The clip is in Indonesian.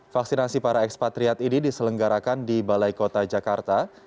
vaksinasi para ekspatriat ini diselenggarakan di balai kota jakarta